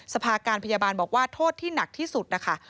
สภาการพยาบาลบอกว่าโทษที่หนักที่สุดนะคะ